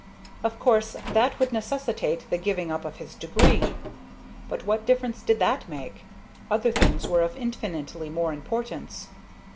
Of course that would necessitate the giving up of his degree, but what difference did that make? Other things were of infinitely more importance.